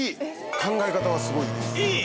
考え方はすごいいいです。